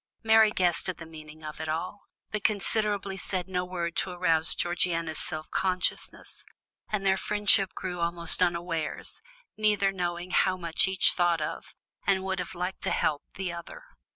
Mary guessed at the meaning of it all, but considerately said no word to arouse Georgiana's self consciousness, and their friendship grew almost unawares, neither knowing how much each thought of, and would have liked to help, the other.